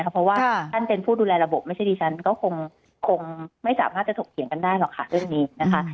เพราะว่าท่านเป็นผู้ดูแลระบบไม่ใช่ดิฉันก็คงไม่สามารถจะถกเถียงกันได้หรอกค่ะเรื่องนี้นะคะ